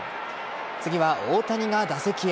次は大谷が打席へ。